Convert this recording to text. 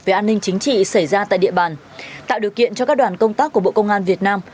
về an ninh chính trị xảy ra tại địa bàn tạo điều kiện cho các đoàn công tác của bộ công an việt nam